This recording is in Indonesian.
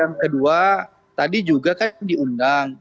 lalu yang kedua tadi juga kan diumbang